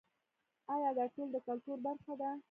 آیا دا ټول د کلتور برخه ده؟